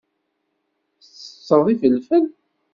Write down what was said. Tettetteḍ ifelfel?